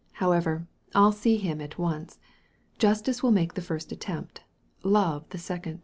How ever, I'll see him at once. Justice will make the first attempt — Love the second."